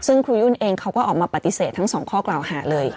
ซึ่งครูยุ่นเองเขาก็ออกมาปฏิเสธทั้งสองข้อกล่าวหาเลย